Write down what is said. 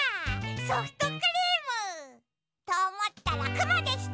ソフトクリーム！とおもったらくもでした！